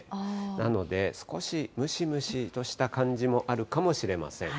なので、少しムシムシとした感じもあるかもしれません。